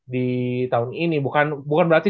di tahun ini bukan berarti